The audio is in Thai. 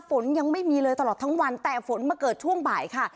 ฝนยังไม่มีเลยตลอดทั้งวันแต่ฝนมาเกิดช่วงบ่ายค่ะ